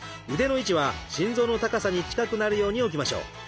腕の位置は心臓の高さに近くなるように置きましょう。